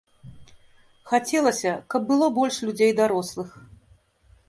Хацелася, каб было больш людзей дарослых.